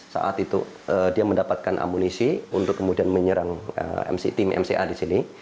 saat itu dia mendapatkan amunisi untuk kemudian menyerang tim mca di sini